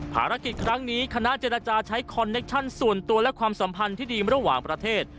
ภารกิจครั้งนี้คณะเจรจาใช้คอนเนคชั่นส่วนตัวและความสัมพันธ์ที่ดีระหว่างประเทศ